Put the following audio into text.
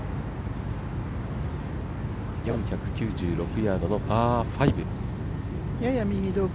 ４９６ヤードのパー５。